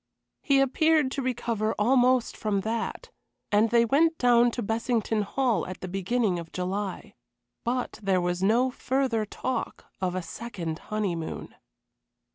He appeared to recover almost from that, and they went down to Bessington Hall at the beginning of July. But there was no further talk of a second honeymoon.